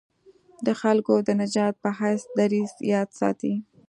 د خلکو د نجات په حیث دریځ یاد ساتي.